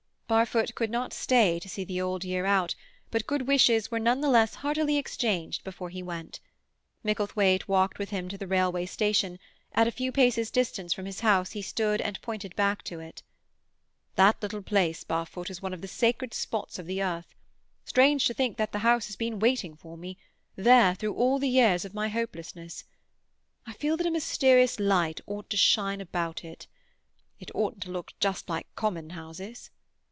Barfoot could not stay to see the old year out, but good wishes were none the less heartily exchanged before he went. Micklethwaite walked with him to the railway station; at a few paces' distance from his house he stood and pointed back to it. "That little place, Barfoot, is one of the sacred spots of the earth. Strange to think that the house has been waiting for me there through all the years of my hopelessness. I feel that a mysterious light ought to shine about it. It oughtn't to look just like common houses."